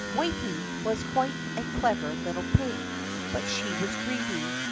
Whity was quite a clever little pig, but she was greedy.